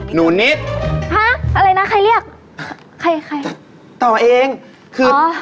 หนูนิดฮะอะไรนะใครเรียกใครใครต่อเองคือ